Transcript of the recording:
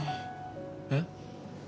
えっ？